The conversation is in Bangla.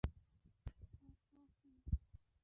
ওর ক্রাশ নেই কোনো।